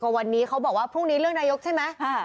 วันนี้เขาบอกว่าพรุ่งนี้เรื่องนายกใช่ไหม